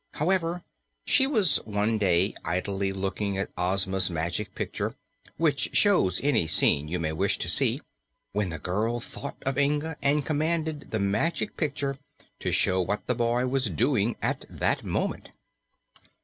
However, she was one day idly looking at Ozma's Magic Picture, which shows any scene you may wish to see, when the girl thought of Inga and commanded the Magic Picture to show what the boy was doing at that moment.